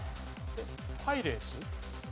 パイレーツ？